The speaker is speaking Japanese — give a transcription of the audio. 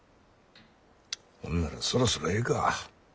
ほんならそろそろええか。